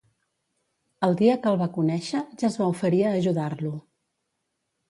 El dia que el va conèixer ja es va oferir a ajudar-lo.